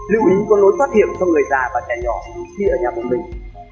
lưu ý có lối thoát hiểm cho người già và trẻ nhỏ khi ở nhà của mình